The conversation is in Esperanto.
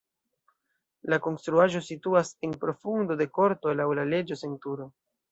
La konstruaĵo situas en profundo de korto, laŭ la leĝo sen turo.